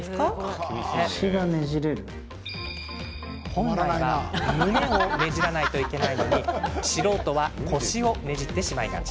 本来は胸をねじらないといけないのに素人は腰をねじってしまいがち。